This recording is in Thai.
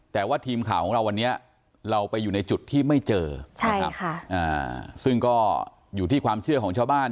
แต่ว่าทีมข่าวของเราวันนี้เราไปอยู่ในจุดที่ไม่เจอซึ่งก็อยู่ที่ความเชื่อของชาวบ้าน